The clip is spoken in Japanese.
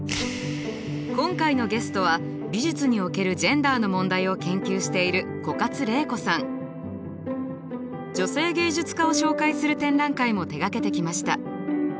今回のゲストは美術におけるジェンダーの問題を研究している女性芸術家を紹介する展覧会も手がけてきました。